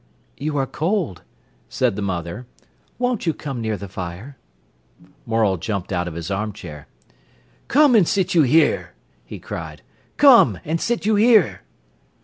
"You are cold," said the mother. "Won't you come near the fire?" Morel jumped out of his armchair. "Come and sit you here!" he cried. "Come and sit you here!"